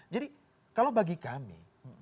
jadi kalau bagi kami